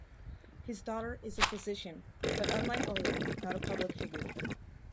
His daughter is a physician, but unlike Oleg not a public figure.